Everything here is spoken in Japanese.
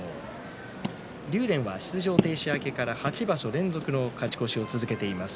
竜電は出場停止明けから８場所連続、勝ち越しを続けています。